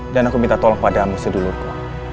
dan aku minta tolong padamu sedulurku